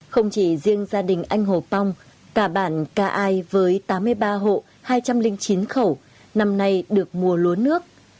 không chỉ riêng gia đình anh hồ pong cả bản ca ai với tám mươi ba hộ hai trăm linh chín khẩu năm nay được mùa lúa nước